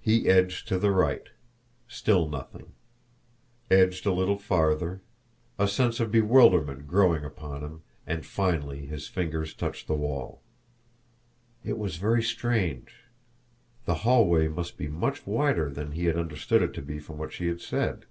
He edged to the right still nothing; edged a little farther, a sense of bewilderment growing upon him, and finally his fingers touched the wall. It was very strange! The hallway must be much wider than he had understood it to be from what she had said!